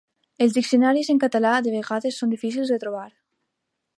Els diccionaris en català de vegades són difícils de trobar.